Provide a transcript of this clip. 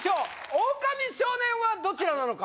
オオカミ少年はどちらなのか？